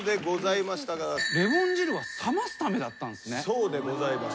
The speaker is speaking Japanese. そうでございます。